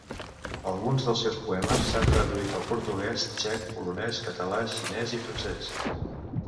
Alguns dels seus poemes s'han traduït al portuguès, txec, polonès, català, xinès i francès.